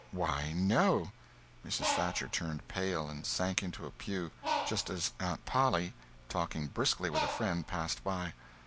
"Why, no." Mrs. Thatcher turned pale, and sank into a pew, just as Aunt Polly, talking briskly with a friend, passed by.